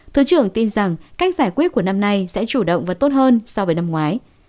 thứ trưởng tin rằng cách giải quyết của năm nay sẽ chủ động và tốt hơn so với năm ngoái